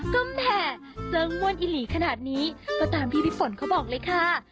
ก็แม่เจ้าม่อนอิหรี่ขนาดนี้ประตานบีบี้ผ่อนเขาบอกเลยค่ะ